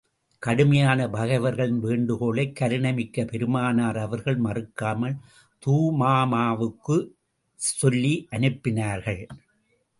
கடுமையான பகைவர்களின் வேண்டுகோளை, கருணை மிக்க பெருமானார் அவர்கள் மறுக்காமல், துமாமாவுக்குச் சொல்லி அனுப்பினார்கள்.